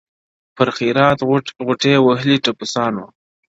• پر خیرات غوټې وهلې ټپوسانو -